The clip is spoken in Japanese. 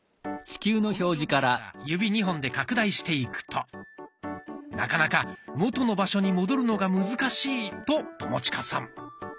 この状態から指２本で拡大していくとなかなか元の場所に戻るのが難しいと友近さん。